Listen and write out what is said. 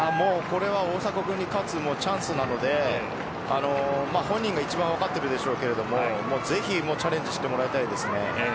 大迫君に勝つチャンスなので本人が一番分かっているでしょうがぜひチャレンジしてもらいたいです。